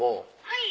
はい。